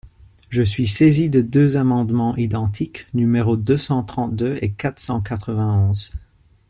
Je suis saisie de deux amendements identiques, numéros deux cent trente-deux et quatre cent quatre-vingt-onze.